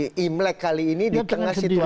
menyeruak di imlek kali ini di tengah situasi pemilu